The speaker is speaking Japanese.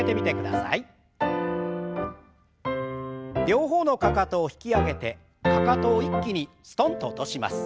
両方のかかとを引き上げてかかとを一気にすとんと落とします。